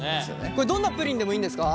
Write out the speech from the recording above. これどんなプリンでもいいんですか？